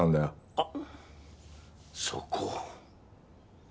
あっそこ。